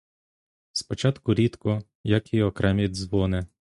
Спочатку рідко, як і окремі дзвони.